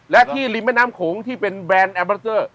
และที่ริมแม่น้ำโขงที่เป็นแบรนด์แอมบัสเตอร์